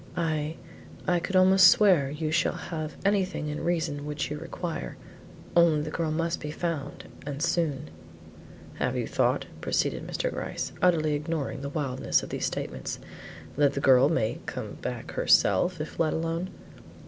I I could almost swear you shall have anything in reason which you require; only the girl must be found and soon." "Have you thought," proceeded Mr. Gryce, utterly ignoring the wildness of these statements, "that the girl may come back herself if let alone?"